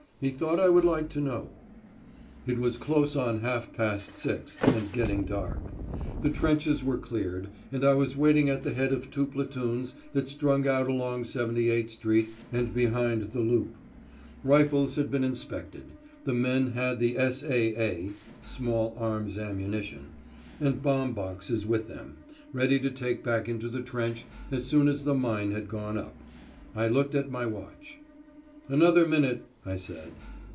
He thought I would like to know. It was close on half past six, and getting dark. The trenches were cleared, and I was waiting at the head of two platoons that strung out along 78 Street and behind the Loop. Rifles had been inspected; the men had the S.A.A. (small arms ammunition) and bomb boxes with them, ready to take back into the trench as soon as the mine had gone up. I looked at my watch. "Another minute," I said.